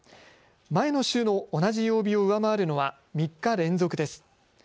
前の週の同じ曜日を上回るのは３日連続です。